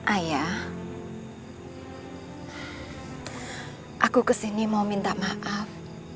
ayah aku ke sini mau minta maaf